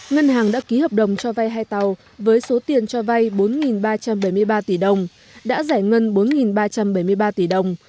ngân hàng đã ký hợp đồng cho vay hai tàu với số tiền cho vay bốn ba trăm bảy mươi ba tỷ đồng đã giải ngân bốn ba trăm bảy mươi ba tỷ đồng